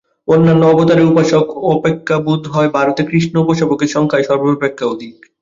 অন্যান্য অবতারের উপাসক অপাক্ষা বোধ হয় ভারতে কৃষ্ণোপাসকের সংখ্যাই সর্বাপেক্ষা অধিক।